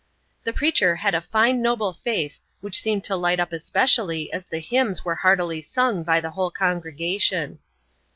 The preacher had a fine noble face which seemed to light up especially as the hymns were heartily sung by the whole congregation.